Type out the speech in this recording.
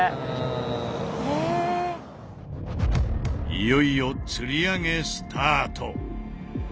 いよいよつり上げスタート！